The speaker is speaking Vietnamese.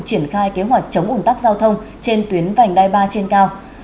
triển khai kế hoạch chống ủn tắc giao thông trên tuyến vành đai ba trên cao